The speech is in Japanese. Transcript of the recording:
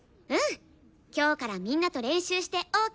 今日からみんなと練習してＯＫです！